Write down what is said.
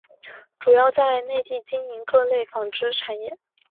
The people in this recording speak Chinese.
主要在内地经营各类纺织产品。